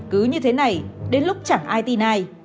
cứ như thế này đến lúc chẳng ai tin ai